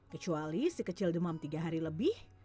kecuali si kecil demam tiga hari lebih